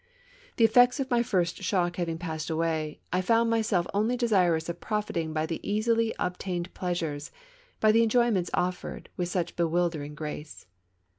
The effects of my first shock having passed away, I found myself only desirous of profiting by the easily obtained pleasures, by the en joyments offered with such bewildering grace.